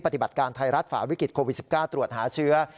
ปฏิบัติการไทยรัฐฝ่าวิกฤตโควิด๑๙ตรวจหาเชื้อ